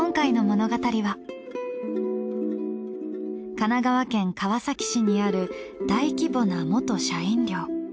神奈川県川崎市にある大規模な元社員寮。